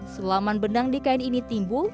selama benang di kain ini timbul